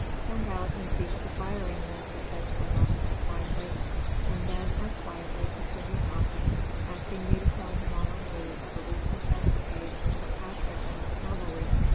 "Send out and see what the firing is," he said to an officer quietly, and then as quietly continued talking, asking me to tell him all I knew of a recent escapade of Kilpatrick and his cavalry.